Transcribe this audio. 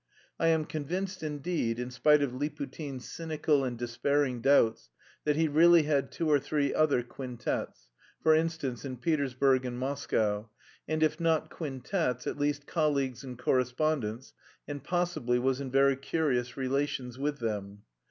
I am convinced, indeed, in spite of Liputin's cynical and despairing doubts, that he really had two or three other quintets; for instance, in Petersburg and Moscow, and if not quintets at least colleagues and correspondents, and possibly was in very curious relations with them.